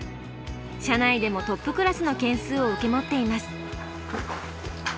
社内でもトップクラスの軒数を受け持っています。